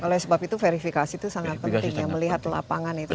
oleh sebab itu verifikasi itu sangat penting ya melihat lapangan itu